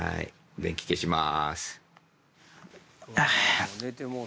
電気消します。